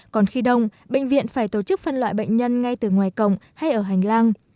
còn khi đông bệnh viện phải tổ chức phân loại bệnh nhân ngay từ ngoài cổng hay ở hành lang